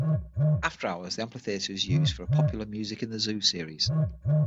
After hours, the amphitheater is used for a popular "Music in the Zoo" series.